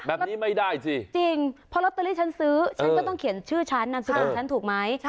แบบนี้ไม่ได้สิจริงเพราะลอตเตอรี่ฉันซื้อฉันก็ต้องเขียนชื่อฉันนามสกุลฉันถูกไหม